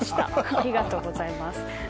ありがとうございます。